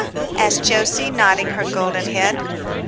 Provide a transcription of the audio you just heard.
asked Jose, nodding her golden head.